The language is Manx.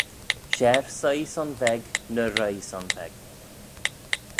Share soie son veg na roie son veg